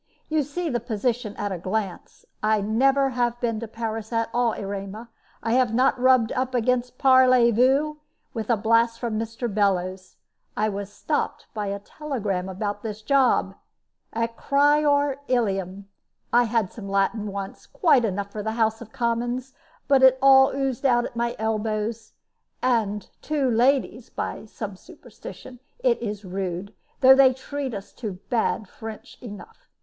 You see the position at a glance. I have never been to Paris at all, Erema. I have not rubbed up my parleywoo, with a blast from Mr. Bellows. I was stopped by a telegram about this job acrior illum. I had some Latin once, quite enough for the House of Commons, but it all oozed out at my elbows; and to ladies (by some superstition) it is rude though they treat us to bad French enough.